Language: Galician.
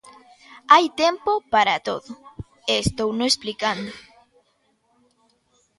Hai tempo para todo, e estouno explicando.